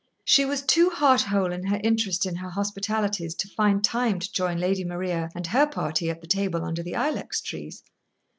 She was too heart whole in her interest in her hospitalities to find time to join Lady Maria and her party at the table under the ilex trees.